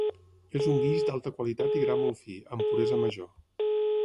És un guix d'alta qualitat i gra molt fi, amb puresa major.